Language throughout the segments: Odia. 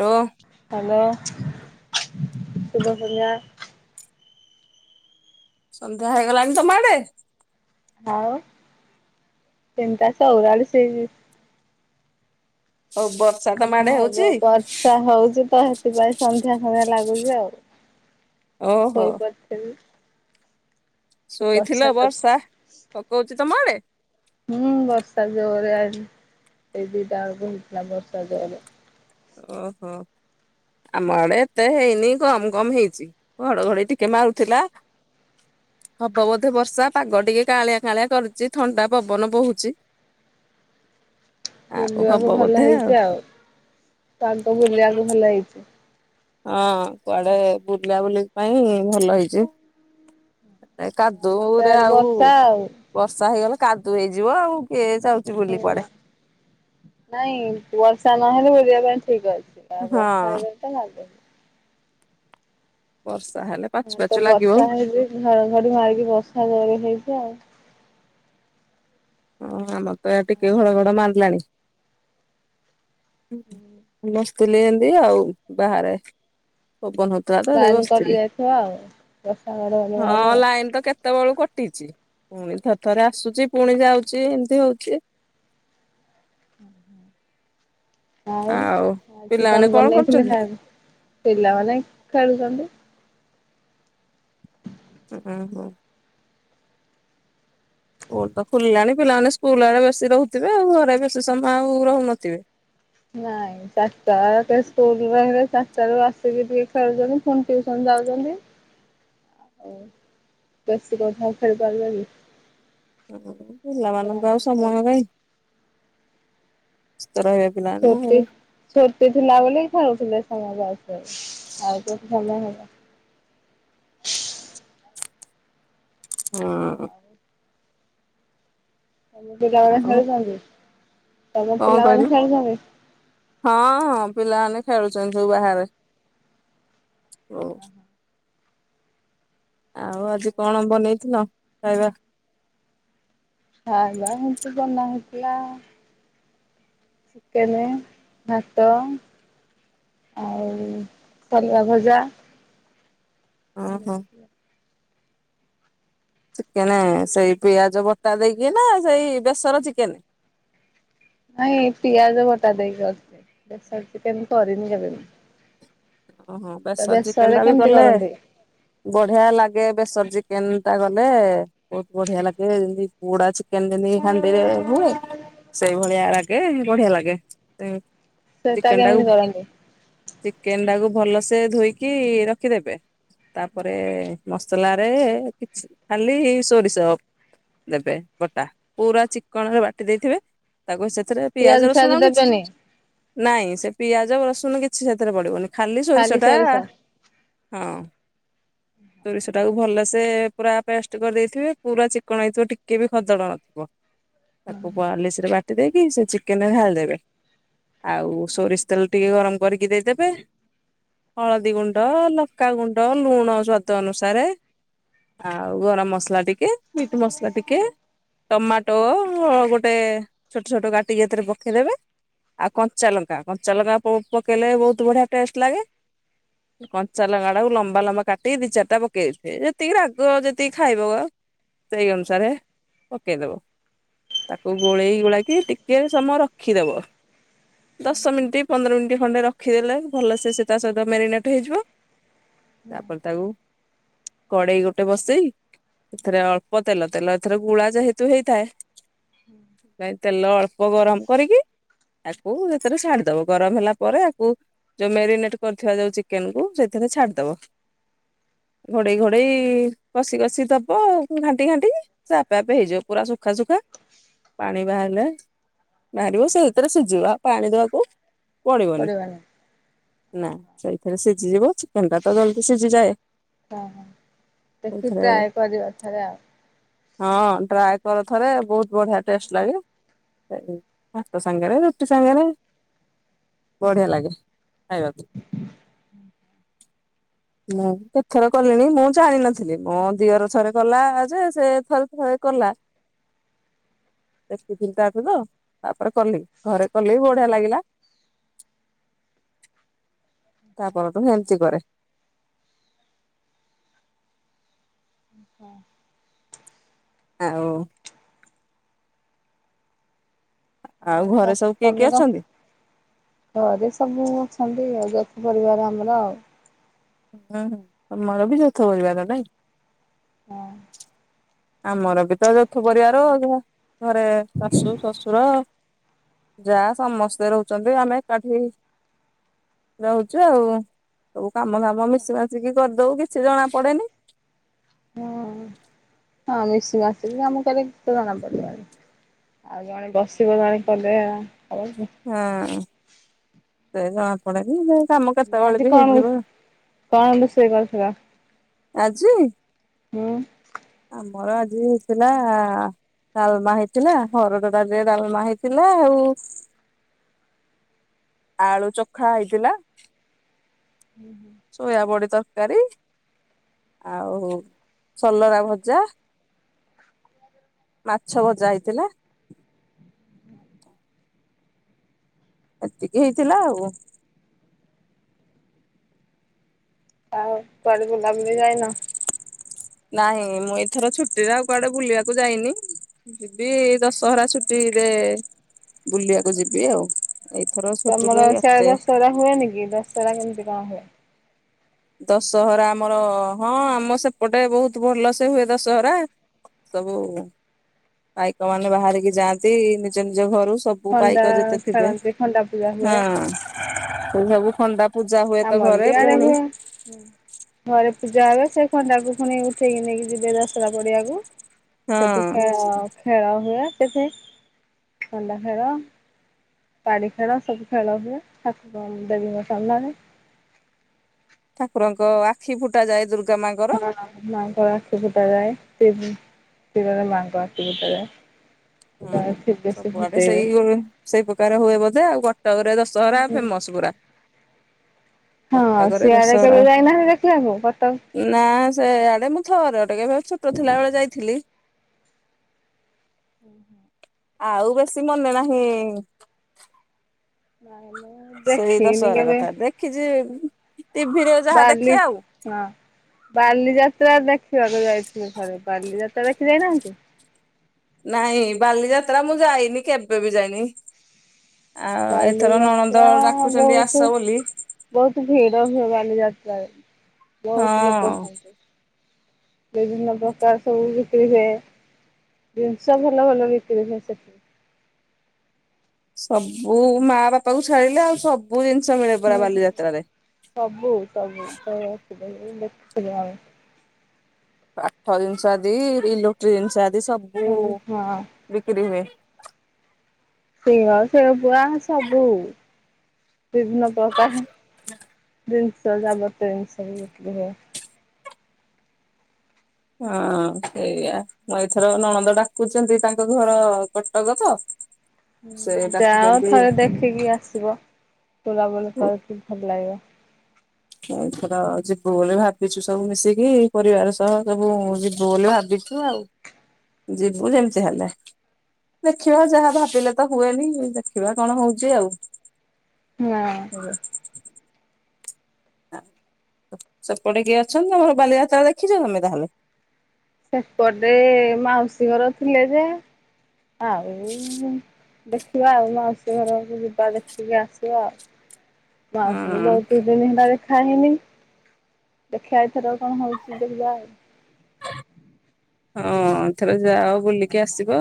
ହ୍ୟାଲୋ। ହ୍ୟାଲୋ, ଶୁଭ‌ ସନ୍ଧ୍ୟା। ସନ୍ଧ୍ୟା ହେଇଗଲାଣି ତମ ଆଡେ? ଆଉ ତିନିଟା ଚଉରାଳିଶ ହେଇଛି। ହଉ ବର୍ଷା ତମ ଆଡେ [inaudible] ହଉଛି ବର୍ଷା ହଉଛି ତ ସେଥିପାଇଁ ସନ୍ଧ୍ୟା ଭଳିଆ ଲାଗୁଛି ଆଉ, ଓହୋ ଶୋଇପଡିଥିଲି। ବର୍ଷା ଶୋଇଥିଲ ବର୍ଷା-ଆ ଯୋଗୁ ପକଉଛି ତମ ଆଡେ? ହୁଁ-ଉଁ-ଉଁ ବର୍ଷା ଜୋରରେ ଆଜି ସେଇ ଦିଟା ବେଳକୁ ହେଇଥିଲା ବର୍ଷା ଜୋରରେ। ଓହୋଃ, ଆମ ଆଡେ ଏତେ ହେଇନି କମ୍ କମ୍ ହେଇଛି। ଘଡଘଡି ଟିକେ ମାରୁଥିଲା। ହବ ବୋଧେ ବର୍ଷା ପାଗ ଟିକେ କାଁଳିଆ କାଁଳିଆ କରୁଛି ଥଣ୍ଡା ପବନ ବହୁଚି। [unintelligible] ଆଉ ହବ ବୁଲିବାକୁ ଭଲ ବୋଧେ ହେଇଛି ଆଉ ତାଙ୍କୁ ବୁଲିବାକୁ ଭଲ ହେଇଛି। ହଁ କୁଆଡେ ବୁଲାବୁଲି ପାଇଁ ଭଲ ହେଇଛି। ଏଇ ଆମର ତ କାଦୁଅରେ ଇଆଡେ ଆଉ ବର୍ଷା ଆଉ। ବର୍ଷା ହେଇଗଲେ କାଦୁଅ ହେଇଯିବ ଆଉ, କିଏ ଯାଉଛି ବୁଲି କୁଆଡେ। ନାଇଁ ବର୍ଷା ନହେଲେ ବୁଲିବା ପାଇଁ ଠିକ୍ ଅଛି ଆଉ ହଁ ବର୍ଷା ହେଇଗଲେଲେ ତ କାଦୁଅ [inaudible] ବର୍ଷା ହେଲେ ପାଚୁ ପାଚୁ ଲାଗିବ। ଘଡ଼ଘଡି ମାରିକି ବର୍ଷା ଜୋରରେ ହେଇଛି ଆଉ। ହଁ ଆମର ତ ଏଆଡେ ଟିକେ ଆଉ ଘଡ଼ଘଡ଼ ମାନ୍ଦିଲାଣି। ବସିଥିଲି ଏମିତି ଆଉ ବାହାରେ ପବନ ଲାଇନ କଟି ହଉ ଯାଇଥିବ ଆଉ ବର୍ଷା ଘଡଘଡି ମାଇଲେ ହଁ ଲାଇନ୍ ତ କେତ୍ କେତେବେଳୁ କଟିଛି ପୁଣି ଥରେ-ଥରେ ଆସୁଛି ପୁଣି ଯାଉଛି ଏମିତି ହଉଛି। ହୁଁହୁଁ ହୁଁ। ଆଉ ଆଜି କଣ ବନେଇଥିଲେ ନାଇଁ ପିଲାମାନେ ଖେଳୁଛନ୍ତି। ହୁଁ-ହୁଁ ହୁଁ। ସ୍କୁଲୁ ତ ଖୋଲିଲାଣି ପିଲାମାନେ ସ୍କୁଲୁ ଆଡେ ବେଶୀ ରହୁଥିବେ ଆଉ ଘରେ ବେଶୀ ସମୟ ଆଉ ରହୁନଥିବେ। ନାଇଁ। ଚାରିଟା ସେ ସ୍କୁଲୁରୁ [unintelligible] ରହିଲେ ଚାରିଟା ରୁ ଆସିକି ଟିକେ ଖେଳୁଚନ୍ତି ପୁଣି ଟିଉସନ ଯାଉଚନ୍ତି। [unintelligible] ଓ ବେଶି କଥା ହେଇ ପାରିବାନି। ହ ପିଲାମାନଙ୍କୁ ଆଉ ସମୟ କାଇ। ରହିବା ପିଲା। ସତେ। ଛୁଟି ଥିଲା ବୋଲି ଖାଉଥିଲେ ସମୟ ଆସୁଥିଲା ଆଉ କୋଉଠି ସମୟ ହବ। ହୁଁ। ତମ ପିଲାମାନେ ଆଉ ଖେଳୁଛନ୍ତି ତମ କଣ କହିଲୁ ପିଲାମାନେ ଖେଳୁଛନ୍ତି। ହଁ ହଁ ପିଲାମାନେ ଖେଳୁଛନ୍ତି ସବୁ ବାହାରେ ହ। ଆଉ ଆଜି କଣ ବନେଇଥିଲ ଖାଇବା? ଖାଇବା ହେନ୍ତି ବନା ହେଇଥିଲା ଚିକେନେ ଭାତ। ଆଉ ପରିବା ଭଜା। କଛି। ଓହୋ [unintelligible] ଚିକେନେ ସେଇ ପିଆଜ ବଟା ଦେଇକି ନା ସେଇ ବେସର ଚିକେନେ? ନାଇଁ ପିଆଜ ବଟା ଦେଇକି ଅଛି ବେସର ଚିକେନେ କରିନି କେବେ ମୁଁ। ଅ ହଁ ତ ବେସର ବେସରରେ ଚିକେନେ ଟା ବି କେମିତି କଲେ କରନ୍ତି ବଢିଆ ଲାଗେ ବେସର ଚିକେନେ ଟା ଗଲେ। ବହୁତୁ ବଢିଆ ଲାଗେ ଯେମିତି ପୋଡା ଚିକେନେ ଯେମିତି ହାଣ୍ଡିରେ ହୁଏ। ସେଇଭଳିଆ ରାଗେ ବଢିଆ ଲାଗେ ସେଟା ଚିକେନେ କେମିତି ଟାକୁ କରନ୍ତି ଚିକେନେ ଟାକୁ ଭଲସେ ଧୋଇକି ରଖିଦେବେ ତାପରେ ମସଲା ରେ କିଛି ଖାଲି ସୋରିଷ ଦେବେ ବଟା ପୁରା ଚିକଣ ରେ ବାଟି ଦେଇଥିବେ ତାକୁ ସେଥିରେ ପିଆଜ ଫିଆଜ ରସୁଣ କିଛି ଦେବେନି? ନାଇଁ ସେ ପିଆଜ ରସୁନ କିଛି ସେଥିରେ ପଡିବନି ଖାଲି ସୋରିଷ ଟା ହଁ। ତୋରିଷ ଟାକୁ ଭଲସେ ପୁରା ପେଷ୍ଟ କରିଦେଇଥିବେ ପୁରା ଚିକଣ ହେଇଥିବ ଟିକେ ବି ଖଦଡ ନଥିବ। ତାକୁ ପଲିଶି ରେ ବା ବାଟି ଦେଇକି ସେ ଚିକେନେରେ ଢାଳିଦେବେ ଆଉ ସୋରିଷ ତେଲ ଟିକେ ଗରମ କରିକି ଦେଇଦେବେ। ହଳଦୀଗୁଣ୍ଡ, ଲଙ୍କାଗୁଣ୍ଡ, ଲୁଣ ସ୍ୱାଦ ଅନୁସାରେ। ଆଉ ଗରମ ମସଲା ଟିକେ, ମିଟ ମସଲା ଟିକେ, ଟମାଟୋ ଗୋଟେ ଛୋଟ ଛୋଟ କାଟିକି ଏଥିରେ ପକେଇଦେବେ। ଆଉ କଞ୍ଚାଲଙ୍କା କଞ୍ଚା ଲଙ୍କା ପ ପକେଇଲେ ବହୁତୁ ବଢିଆ ଟେଷ୍ଟ ଲାଗେ। କଞ୍ଚା ଲଙ୍କା ଟାକୁ ଲମ୍ବା ଲମ୍ବା କାଟି କି ଦି ଚାରିଟା ପକେଇ ଦେଇଥିବେ ଯେତିକି ରାଗ ଯେତିକି ଖାଇବଅ। ସେଇ ଅନୁସାରେ ପକେଇଦବ। ତାକୁ ଗୋଳେଇ ଗୋଳାଇକି ଟିକେ ସମୟ ରଖିଦବ। ଦଶମିନିଟ୍, ପନ୍ଦର ମିନି ରଖିଦେଲେ ଭଲ ସେ ସେ ତା ସହିତ ମେରିନେଟ ହେଇଯିବ। ତାପରେ ତାକୁ କଡେଇ ଗୋଟେ ବସେଇ ଏଥିରେ ଅଳ୍ପ ତେଲ, ତେଲ ଏଥର ଗୁଳା ଯେହେତୁ ହେଇଥାଏ କାଇଁ ତେଲ ଅଳ୍ପ ଗରମ କରିକି ତାକୁ ସେଥିରେ ଛାଡିଦବ। ଗରମ ହେଲା ପରେ ଆକୁ ଯୋଉ ମେରିନେଟେ କରିଥିବା ଯୋଉ ଚିକେନେ କୁୁ ସେଥିରେ ଛାଡିଦେବ। ଘୋଡେଇ ଘୋଡେଇ କଷି କଷି ଦବ ଘାଣ୍ଟି ଘାଣ୍ଟିକି। ସେ ଆପେ ଆପେ ହେଇଯିବ ପୁରା ଶୁଖା ସୁୁଖା ପାଣି ବାହାରିଲେ। ବାହାରିବ ସେଇଥିରେ ଶୁଝିବ ଆଉ ପାଣି ଦବାକୁ। ପଡିବନି ନା ସେଇଥିରେ ସିଝିଯିବ ଚିକେନ ଟା ତ ଜଲଦି ସିଝିଯାଏ। ଓହୋ ଦେଖି ସେଇଥିରେ ଟ୍ରାଏ କରିବା ଥରେ ଆଉ। ହଁ ଟ୍ରାଏକର ଥରେ ବହୁତ ବଢିଆ ଟେଷ୍ଟ ଲାଗେ। ତାକୁ ଭାତ ସାଙ୍ଗେରେ ରୁଟି ସାଙ୍ଗେରେ। ବଢିଆଲାଗେ ଖାଇବାକୁ। ମୁଁ କେତଥର କଲିଣି ମୁଁ ଜାଣିନଥିଲି ମୋ ଦିଅର ଥରେ କଲା ଯେ ସେ ଥରେ ଥରେ କଲା। ଦେଖିଥିଲି ତାଠୁ ତ ତାପରେ କଲି ଘରେ କଲି ଯେ ବଢିଆ ଲାଗିଲା। ତାପରଠୁ ହେମତି କରେ। ଓ ହଁ। ଆଉ। ଆଉ କ ଘରେ ସବୁ କିଏ କିଏ ତମେ କହ? ଅଛନ୍ତି? ଘରେ ସବୁ ଅଛନ୍ତି ଆଉ ଯୌଥ ପରିବାର ଆମର ଆଉ। ହୁଁ ହୁଁ ତମର ବି ଯୌଥ ପରିବାର ନାଇଁକି? ହଁ ଆମର ବି ତ ଯୌଥ ପରିବାର ଘ ଘରେ ଶାଶୁ ଶ୍ୱଶୁର। ଯାଆ ସମସ୍ତେ ରହୁଛନ୍ତି ଆମେ ଏକାଠି। ରହୁଛୁ ଆଉ ସବୁ କାମଦାମ ମିଶି ମାଶିକି କରଦଉ କିଛି ଜଣା ପଡେନି। ହଁ ହଁ ମିଶିମାଶିକି କାମ କଲେ କିଛି ତ ଜଣା ପଡ଼ିବନି। ଆଉ ଜଣେ ବସିବ ଜଣେ କଲେ ହବକି। ହଁ ସେ ଜଣାପଡେନି ଯେ କାମ କେତେବେଳେ ଆଜି ବି କଣ ହେଇଯିବ। କଣ ରୁଷେଇ କରିଥିଲ? ଆଜି? ହୁଁ। ଆମର ଆଜି ହେଇଥିଲା। ଡାଲମା ହେଇଥିଲା ହରଡ ଡାଲିରେ ଡାଲମା ହେଇଥିଲା ଆଉ। ଆଳୁ ଚୋଖା ହେଇଥିଲା। ହୁଁ ହୁଁ। ସୋୟାବଡ଼ି ତରକାରୀ। ଆଉ ସଲରା ଭଜା। ମାଛ ଭଜା ହେଇଥିଲା। ଏତିକି ହେଇଥିଲା ଆଉ। ତାପରେ କୁଆଡେ ବୁଲାବୁଲି ଯାଇନ? ନାହିଁ ମୁଁ ଏଇଥର ଛୁଟିରେ ଆଉ କୁଆଡେ ବୁଲିବାକୁ ଯାଇନି। ଯିବି ଏଇ ଦଶହରା ଛୁଟିରେ ବୁଲିବାକୁ ଯିବି ଆଉ। ଏଇଥର ଛୁଟିରେ ଏତେ। ହୁଏନିକି ଦଶହରା କେମିତି କଣ ହୁଏ? ଦଶହରା ଆମର ହଁ ଆମ ସେପଟେ ବହୁତ୍ ଭଲସେ ହୁଏ ଦଶହରା। ସବୁ। ପାଇକମାନେ ବାହାରିକି ଯାଆନ୍ତି ନିଜ ନିଜ ଘରୁ ସ ବୁ ଖଣ୍ଡା ପାଇକ୍ ଯେତେଥିବେ ଖେଳନ୍ତି ଖଣ୍ଡା ପୂଜା ହଁ ହୁଏ ସେ ସବୁ ଖଣ୍ଡା। ପୂଜା ହୁଏ ତ ଘରେ ପୁଣି। ହୁଁ। ଘରେ ପୂଜା ହେବେ ସେ ଖଣ୍ଡାକୁ ପୁଣି ଉଠେଇକି ନେଇକି ଯିବେ ଦଶହରା ପଡିଆକୁ। ହଁ ସେଠି ଖେଳ ଖେଳ ହୁଏ ସେଠି ଖଣ୍ଡା ଖେଳ ବାଡ଼ି ଖେଳ ସବୁ ଖେଳ ହୁଏ ଠାକୁର ଦେବୀଙ୍କ ସାମ୍ନାରେ। ଠାକୁରଙ୍କ ଆଖି ଫୁଟା ଯାଏ ଦୁର ହଁ ମାଙ୍କର ଆଖି ଫୁଟା ଯାଏ ସେ ତୀରରେ ମାଙ୍କ ଆଖି ଫୁଟା ହଁ ଯାଏ। ସବୁଆଡେ ସେଇ ସେଇ ପ୍ରକାର ହୁଏ ବୋଧେ ଆଉ କଟକରେ ଦଶହରା ଫେମସ୍ ପୁରା। ହଁ କଟକରେ ସିଆଡେ ଦଶହରା କେବେ ଯାଇନାହାନ୍ତି ଦେଖିବାକୁ କଟକ? ନା ସେ ଆଡେ ମୁଁ ଥରେ ଟିକେ ଛୋଟ ଥିଲା ବେଳେ ଯାଇଥିଲି। ହୁଁ। ଆଉ ବେଶୀ ମନେ ନାହିଁ। ସେଇ ଦେଖିନି ଦଶହରା କେବେ? କଥା ଦେଖିଛି ଟିଭିରେ ଯାହା ବାଲି ଦେଖେ ଆଉ ହଁ ବାଲିଯାତ୍ରା ଦେଖିବାକୁ ଯାଇଥିଲି ଥରେ ବାଲିଯାତ୍ରା ଦେଖି ଯାଇନାହାନ୍ତି। ନାଇଁ ବାଲିଯାତ୍ରା ମୁଁ ଯାଇନି କେବେ ବି ଯାଇନି। ଆଉ ଏଥର ନଣନ୍ଦ ବାଲିଯାତ୍ରା ଡାକୁଛନ୍ତି ବହୁତ ଆସ ବୋଲି। ବହୁତ ଭିଡ ହୁଏ ବାଲି ଯାତ୍ରାରେ ବହୁତ ଲୋକ ହଁ। ହୁଅନ୍ତି। ବିଭିନ୍ନ ପ୍ରକାର ସବୁ ବିକ୍ରି ହୁଏ ଜିନିଷ ଭଲ ଭଲ ବିକ୍ରି ହୁଏ ସେଠି। ସବୁ ମା ବାପା କୁ ଛାଡିଲେ ଆଉ ସବୁ ଜିନିଷ ମିଳେ ପରା ହୁଁ ହୁଁ। ବାଲିଯାତ୍ରାରେ। ସବୁ ସବୁ ସବୁ ସବୁ ଆସେ ଆଉ କାଠ ଜିନିଷ ଆଦି ଇଲେକ୍ଟି ଜିନିଷ ଆଦି ସବୁ ହଁ ବିକ୍ରି ହୁଏ। ସିଳ ଶିଳପୁଆ ସବୁ ବିଭିନ୍ନ ପ୍ରକାର ଜିନିଷ ଯାବତୀୟ ଜିନିଷ। ହଁ ସେଇଆ। ଏଥର ନଣନ୍ଦ ଡାକୁଛନ୍ତି ତାଙ୍କ ଘର କଟକ ତ? ସେ ଯାଅ ଡାକୁଛନ୍ତି ଥରେ ଦେଖିକି ଆସିବ ବୁଲାବୁଲି କରିକି ଭଲ ଲାଗିବ। ଏଥର ଯିବୁ ବୋଲି ଭାବିଛୁ ସବୁ ମିଶିକି ପରିବାର ସହ ସବୁ ଯିବୁ ବୋଲି ଭାବିଛୁ ଆଉ। ଯିବୁ ଯେମିତି ହେଲେ। ଦେଖିବା ଯାହା ଭାବିଲେ ତ ହୁଏନି ଦେଖିବା କଣ ହଉଛି ଆଉ ହୁଁ। ହୁଁ [inaudible] ସେପଟେ କିଏ ଅଛନ୍ତି ଆମର ବାଲିଯାତ୍ରା ଦେଖିଛ ତମେ ତାହେଲେ? ସେପଟେ ମାଉସୀ ଘର ଥିଲେ ଯେ ଆଉ ଦେଖିବା ଆଉ ମାଉସୀ ଘରକୁ ଯିବା ଦେଖିକି ଆସିବା। ମାଉସି ହଁ ବହୁତ ଦିନ ହେଲା ଦେଖା ହେଇନି। ଦେଖିବା ଏ ଥର କଣ ହଉଛି ଦେଖିବା ଆଉ? ହଁ ଏଥର ଯାଅ ବୁଲିକି ଆସିବ।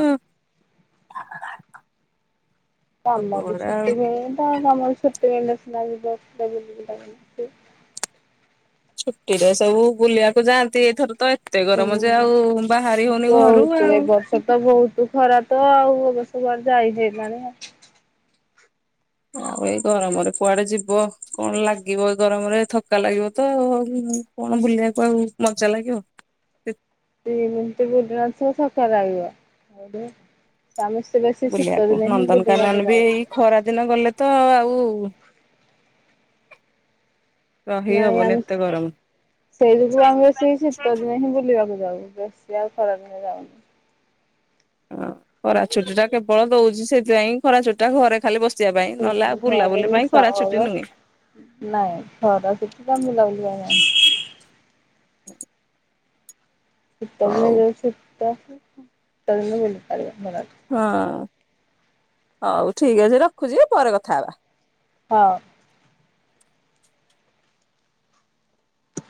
କାମରେ ବି ସବୁଗୁଡା ଆଉ ଛୁଟି ମିଳୁନି ତ କାମରେ ଛୁଟି ମିଳିଲେ ସିନା ବୁଲା ବୁଲି କରି ଆସିବା। ଛୁଟିରେ ସବୁ ବୁଲିବାକୁ ଯାଆନ୍ତି ଏଥର ତ ଏତେ ହୁଁ ଗରମ ଯେ ଆଉ ବାହାରି ହଉନି ଘରୁ ବହୁତ ଆଉ। ଏ ବର୍ଷ ତ ବହୁତ ଖରାପ। ହଁ ଆଉ ଅବଶ୍ୟ ଯାଇ ହେଲାନି ତ। ଆଉ ଏଇ ଗରମରେ କୁଆଡେ ଯିବ କଣ ଲାଗିବ ଗରମରେ ଥକା ଲାଗିବ ତ ଆଉ? କଣ ବୁଲିବାକୁ ଆଉ ମଜା ଲାଗିବ? [unintelligible] ସମସ୍ତେ ବେଶୀ ଶୀତ ବୁଲିବାକୁ ଦିନେ ହିଁ ନନ୍ଦନକାନନ ବୁଲିବାକୁ ବି ଯାଉ। ଏଇ ଖରା ଦିନ ଗଲେ ତ ଆଉ ରହି ନାଇଁ ହବନି ଆମେ ଏତେ ଗରମ। ସେଇ ଯକୁୁ ଆମେ ସେଇ ଶୀତ ଦିନେ ହିଁ ବୁଲିବାକୁ ଯାଉ ବ ଯାଉ ଖରାଦିନେ ଯାଉନୁ। ହଁ ଖରା ଚୁଟି ଟା କେବଳ ଦଉଛି ସେଥିପାଇଁ ଖରାଚୁଟି ଟା ଘରେ ଖାଲି ବ ପଞ୍ଚିବା ପାଇଁ ନଲେ ଆଉ ବୁଲା ଘରେ ବୁଲି ବି ପାଇଁ ଖରା ଛୁଟି ଶାବଳ ନୁହେଁ। ନାଇଁ ଥର ସେଠି ତ ବୁଲା ବୁଲିିବା ନାହି। ଶୀତ ଦିନେ ହଉ ଯୋଉ ଶୀତ ଶୀତଦିନେ ବୁଲିପାରବନି ଖରାଦିନେ। ହଁ ହଉ ଠିକ୍ ଅଛି ରଖୁଛି ପରେ କଥା ହବା। ହଁ।